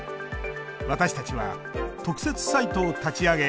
私たちは特設サイトを立ち上げ